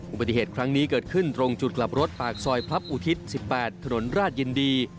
อุบัติเหตุครั้งนี้เกิดขึ้นตรงจุดกลับรถปากซอยพลับอุทิศ๑๘ถนนราชยินดี